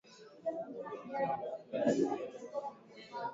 sio gharama kubwa ni sehemu unaweza kwenda na kurudi siku hiyo hiyo